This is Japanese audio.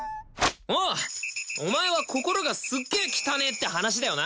おうお前は心がすっげえ汚えって話だよな